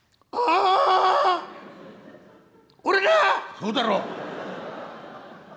「そうだろう」。